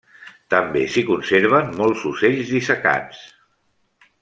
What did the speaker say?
També s'hi conserven molts ocells dissecats.